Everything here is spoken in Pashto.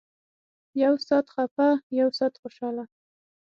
يو سات خپه يو سات خوشاله.